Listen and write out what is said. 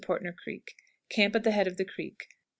Portner Creek. Camp at the head of the creek.